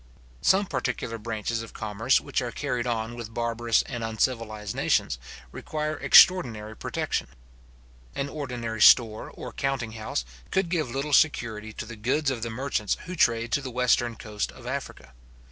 Some particular branches of commerce which are carried on with barbarous and uncivilized nations, require extraordinary protection. An ordinary store or counting house could give little security to the goods of the merchants who trade to the western coast of Africa.